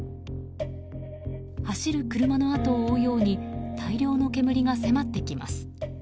走る車のあとを追うように大量の煙が迫ってきます。